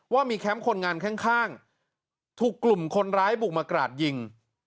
ว่ามีแคมป์คนงานข้างถูกกลุ่มคนร้ายบุกมากราดยิง